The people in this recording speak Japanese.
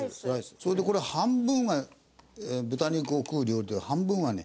それでこれ半分が豚肉を食う料理で半分はね